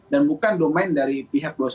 dan bukan domain dari pihak dua ratus dua belas